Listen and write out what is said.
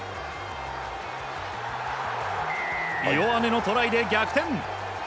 イオアネのトライで逆転！